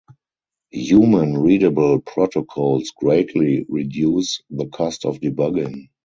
Human readable protocols greatly reduce the cost of debugging.